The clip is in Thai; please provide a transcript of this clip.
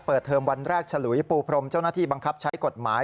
เทอมวันแรกฉลุยปูพรมเจ้าหน้าที่บังคับใช้กฎหมาย